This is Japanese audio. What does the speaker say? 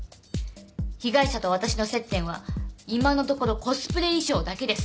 被害者と私の接点は今のところコスプレ衣装だけです。